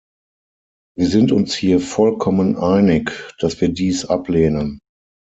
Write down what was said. Wir sind uns hier vollkommen einig, dass wir dies ablehnen.